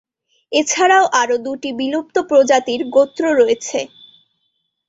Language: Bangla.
এছাড়াও আরো দুটি বিলুপ্ত প্রজাতির গোত্র রয়েছে।